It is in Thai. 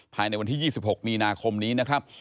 ภายในวันที่๒๖มีนาคมนี้นะครับ